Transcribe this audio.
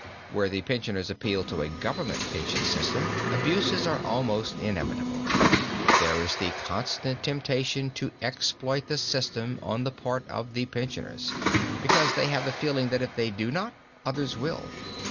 Where the pensioners appeal to a government pension system, abuses are almost inevitable. There is the constant temptation to exploit the system on the part of the pensioners, because they have the feeling that if they do not, others will.